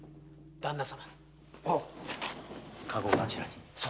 旦那様。